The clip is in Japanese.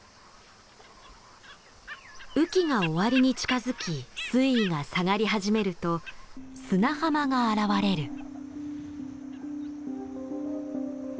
雨季が終わりに近づき水位が下がり始めると砂浜が現れる。